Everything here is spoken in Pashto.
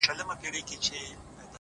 د اده سپوږمۍ د غاړي هار وچاته څه وركوي!!